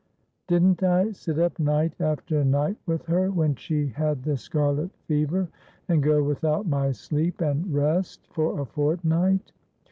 ' Didn't I sit up night after night with her when she had the scarlet fever, and go without my sleep and rest for a fortnight